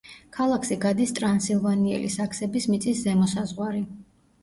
ქალაქზე გადის ტრანსილვანიელი საქსების მიწის ზემო საზღვარი.